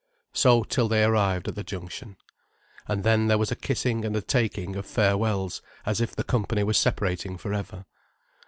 So till they arrived at the junction. And then there was a kissing and a taking of farewells, as if the company were separating for ever.